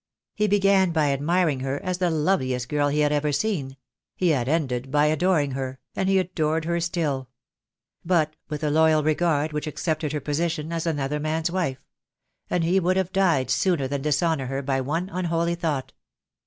He began by admiring her as the loveliest girl he had ever seen; he had ended by adoring her, and he adored her still; but with a loyal regard which accepted her position as another man's wife; and he would have died sooner than dishonour her by one unholy thought.